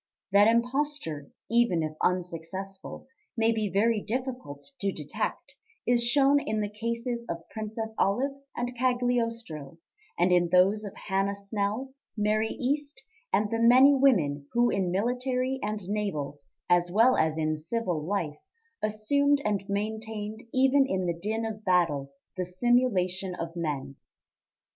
That imposture, even if unsuccessful, may be very difficult to detect, is shown in the cases of Princess Olive and Cagliostro, and in those of Hannah Snell, Mary East, and the many women who in military and naval, as well as in civil, life assumed and maintained even in the din of battle the simulation of men.